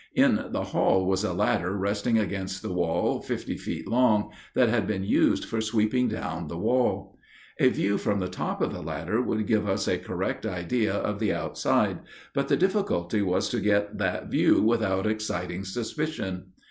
In the hall was a ladder resting against the wall, fifty feet long, that had been used for sweeping down the wall. A view from the top of the ladder would give us a correct idea of the outside, but the difficulty was to get that view without exciting suspicion.